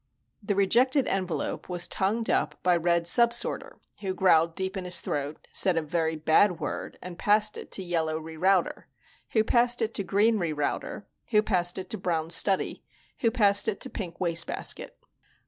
The rejected envelope was tongued up by Red Subsorter, who growled deep in his throat, said a very bad word, and passed it to Yellow Rerouter, who passed it to Green Rerouter, who passed it to Brown Study, who passed it to Pink Wastebasket.